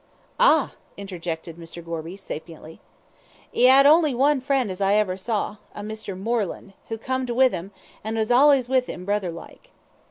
"Ah!" interjected Mr. Gorby, sapiently. "He 'ad only one friend as I ever saw a Mr. Moreland who comed 'ere with 'm, an' was allays with 'im brother like."